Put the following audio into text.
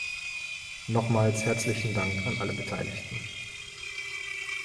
Nochmals herzlichen Dank an alle Beteiligten.